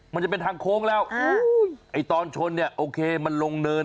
มันจะเป็นทางโค้งแล้วไอ้ตอนชนเนี่ยโอเคมันลงเนิน